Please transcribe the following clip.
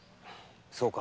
そうか。